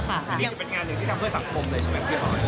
อันนี้คือเป็นงานหนึ่งที่ทำเพื่อสังคมเลยใช่ไหมพี่ออส